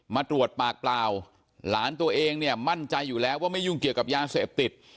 มาตรวจปากเปล่าหลานตัวเองเนี่ยมั่นใจอยู่แล้วว่าไม่ยุ่งเกี่ยวกับยาเสพติด